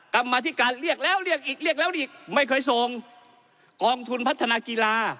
กรรมธิการเรียกแล้วเรียกอีกเรียกแล้วอีกไม่เคยส่งกองทุนพัฒนากีฬา